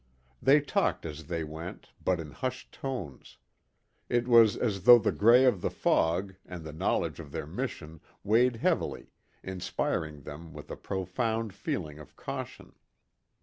They talked as they went, but in hushed tones. It was as though the gray of the fog, and the knowledge of their mission weighed heavily, inspiring them with a profound feeling of caution.